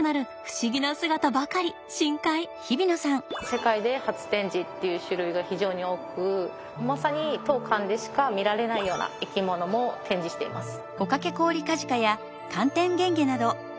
世界で初展示っていう種類が非常に多くまさに当館でしか見られないような生き物も展示しています。